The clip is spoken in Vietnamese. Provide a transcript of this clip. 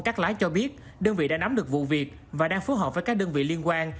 cắt lái cho biết đơn vị đã nắm được vụ việc và đang phối hợp với các đơn vị liên quan